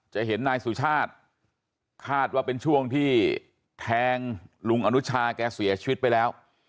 จะเห็นนายสุชาติคาดว่าเป็นช่วงที่แทงลุงอนุชาแกเสียชีวิตไปแล้ว